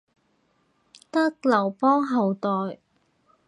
得劉邦後代